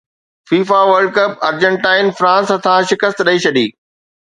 FIFA world cup Argentina France هٿان شڪست ڏئي ڇڏي